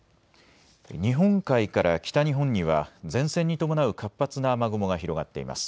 日本海から北日本には前線に伴う活発な雨雲が広がっています。